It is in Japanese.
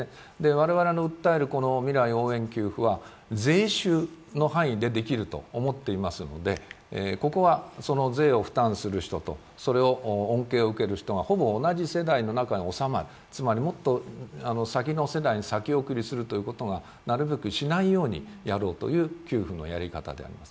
我々の訴える未来応援給付は税収の範囲でできると思っていますのでここは税を負担する人と、恩恵を受ける人がほぼ同じ世代の中に収まる、つまりもっと先の世代に先送りすることがなるべくしないようにやろうという給付のやり方であります。